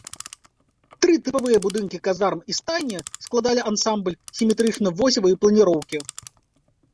Тры тыпавыя будынкі казарм і стайні складалі ансамбль сіметрычна-восевай планіроўкі.